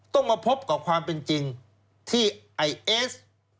ต้องมาพบกับความเป็นจริงที่ไอเอส